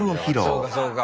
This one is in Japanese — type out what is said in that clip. そうかそうか。